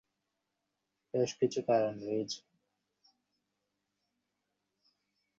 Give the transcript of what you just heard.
সে সময় যুক্তরাজ্যের মুদ্রা পাউন্ডের বিপরীতে বাংলাদেশের টাকার মানও শক্তিশালী হয়।